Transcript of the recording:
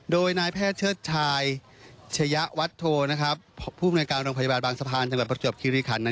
โดยนายแพทย์เชิดชายชะยะวัดโทผู้อำนวยการโรงพยาบาลบางสะพานจังหวัดประจวบคิริขัน